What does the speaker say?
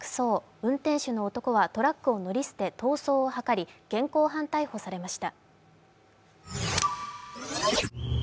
運転手の男はトラックを乗り捨て逃走を図り、現行犯逮捕されました。